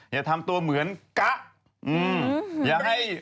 อย่าทำตัวเหมือนกะ